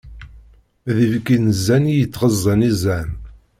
D ibki n zzan i yettɣeẓẓen izan.